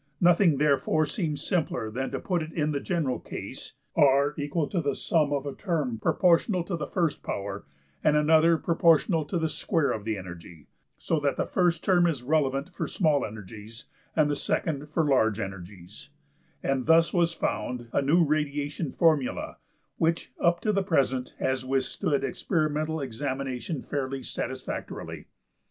Nothing therefore seemed simpler than to put in the general case $R$ equal to the sum of a term proportional to the first power and another proportional to the square of the energy, so that the first term is relevant for small energies and the second for large energies; and thus was found a new radiation formula(13) which up to the present has withstood experimental examination fairly satisfactorily.